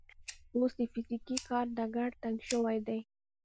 اوس د فزیکي کار ډګر تنګ شوی دی.